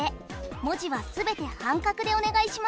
文字は全て半角でお願いします。